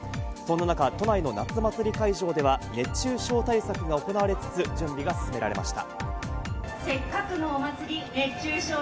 そんな中、都内の夏祭り会場では熱中症対策が行われつつ、準備が進められました。